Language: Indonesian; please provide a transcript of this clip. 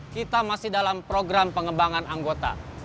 kita masih dalam program pengembangan anggota